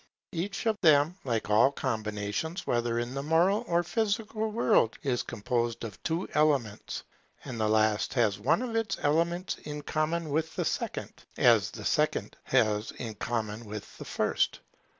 Each of them, like all combinations, whether in the moral or physical world, is composed of two elements; and the last has one of its elements in common with the second, as the second has in common with the first.